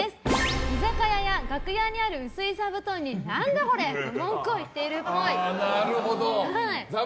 居酒屋や楽屋にある薄い座布団に何だこれ！って文句を言っているっぽい。